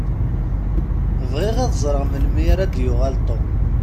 Bɣiɣ ad ẓṛeɣ melmi ara d-yuɣal Tom.